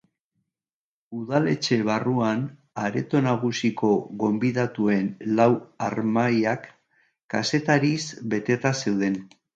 Udaletxe barruan, areto nagusiko gonbidatuen lau harmailak kazetariz beteta zeuden.